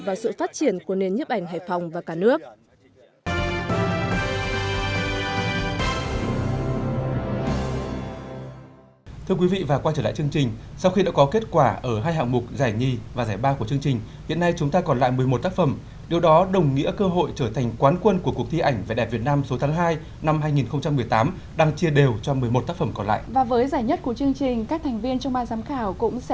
và sự phát triển của nền nhấp ảnh hải phòng và cả nước